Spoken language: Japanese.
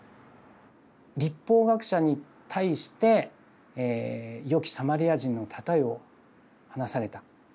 律法学者に対して「善きサマリア人のたとえ」を話された。